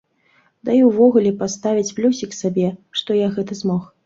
Да і ўвогуле паставіць плюсік сабе, што я гэта змог.